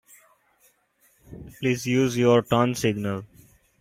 Please use your turn signal.